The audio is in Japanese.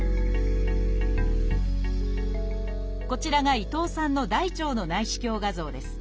こちらが伊藤さんの大腸の内視鏡画像です。